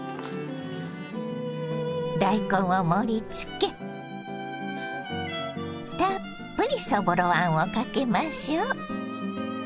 大根を盛りつけたっぷりそぼろあんをかけましょう。